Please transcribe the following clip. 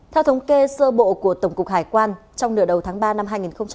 theo thống kê sơ bộ của tổng cục hải quan trong nửa đầu tháng ba năm hai nghìn hai mươi